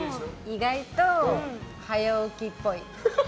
意外と早起きっぽい。